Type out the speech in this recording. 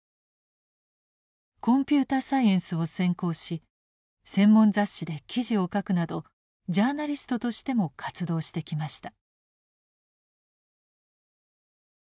コンピューターサイエンスを専攻し専門雑誌で記事を書くなどジャーナリストとしても活動してきました。